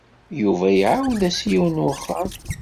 Yuba iɛawed-as i yiwen n wexxam.